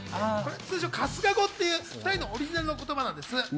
通称・春日語という２人のオリジナルの言葉なんです。